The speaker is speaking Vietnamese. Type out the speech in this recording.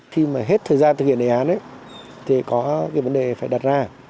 khi mà hết thời gian thực hiện đề án ấy thì có cái vấn đề phải đặt ra